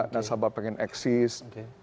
nasabah pengen eksis